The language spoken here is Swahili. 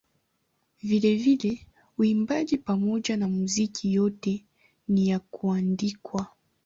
Vilevile uimbaji pamoja na muziki yote ni ya kuandikwa.